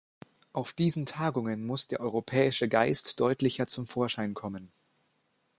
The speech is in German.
Auf diesen Tagungen muss der europäische Geist deutlicher zum Vorschein kommen.